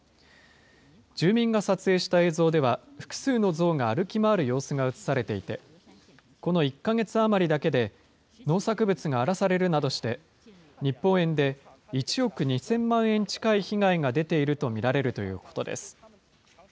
住民が撮影した映像では、複数のゾウが歩き回る様子が写されていて、この１か月余りだけで、農作物が荒らされるなどして、日本円で１億２０００万円近い被害が出ていると見られるということです。